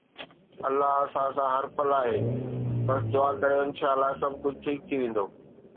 الله اسان سان هر پل آهي، بس دعا ڪريو، انشاءَ الله سڀ ڪجهه ٺيڪ ٿي ويندو